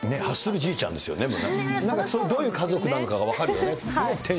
ハッスルじいちゃんが、なんか、どういう家族なのかが分かるよね。